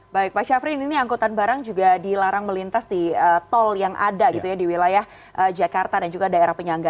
baik pak syafrin ini angkutan barang juga dilarang melintas di tol yang ada gitu ya di wilayah jakarta dan juga daerah penyangga